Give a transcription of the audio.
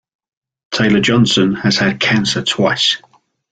Taylor-Johnson has had cancer twice.